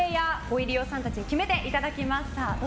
入り用さんたちに決めていただきます。